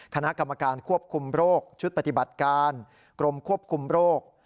คณะกรรมการควบคุมโรคชุดปฏิบัติการกรมควบคุมโรค